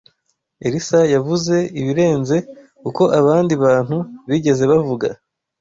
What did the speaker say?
Elisa yavuze ibirenze uko abandi bantu bigeze bavuga